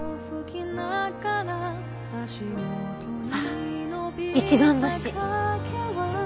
あっ一番星。